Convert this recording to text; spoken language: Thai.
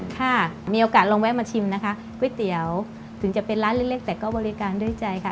ค่ะมีโอกาสลองแวะมาชิมนะคะก๋วยเตี๋ยวถึงจะเป็นร้านเล็กแต่ก็บริการด้วยใจค่ะ